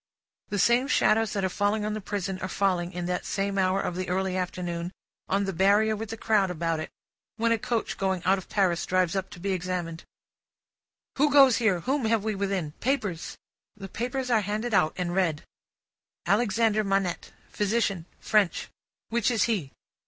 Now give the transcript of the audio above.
The same shadows that are falling on the prison, are falling, in that same hour of the early afternoon, on the Barrier with the crowd about it, when a coach going out of Paris drives up to be examined. "Who goes here? Whom have we within? Papers!" The papers are handed out, and read. "Alexandre Manette. Physician. French. Which is he?"